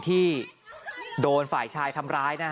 ที่โดนฝ่ายชายทำร้ายนะฮะ